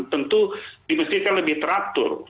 tentu di masjid kan lebih teratur